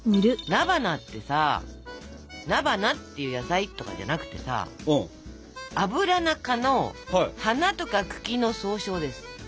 菜花ってさ菜花っていう野菜とかじゃなくてさアブラナ科の花とか茎の総称です。